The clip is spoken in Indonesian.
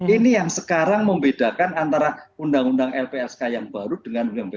ini yang sekarang membedakan antara undang undang ini dan undang undang lainnya